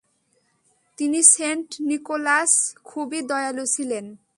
তিনি Saint Nicholas খুবই দয়ালু ছিলেন।